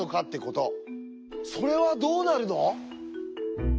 それはどうなるの？